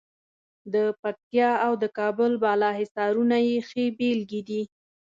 د پکتیا او د کابل بالا حصارونه یې ښې بېلګې دي.